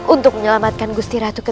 untuk menyelamatkan agusti ratu kederaan